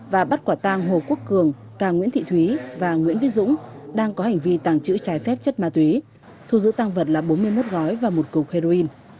và bắt quả tàng hồ quốc cường càng nguyễn thị thúy và nguyễn vĩ dũng đang có hành vi tàng chữ trái phép chất ma túy thu giữ tàng vật là bốn mươi một gói và một cục heroin